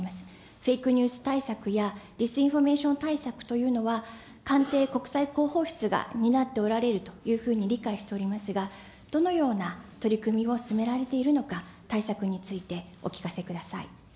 フェイクニュース対策や、ディスインフォメーション対策というのは、官邸国際広報室が担っておられるというふうに理解しておりますが、どのような取り組みを進められているのか、対策についてお聞かせください。